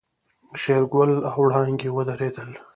شېرګل او وړانګې ودرېدل.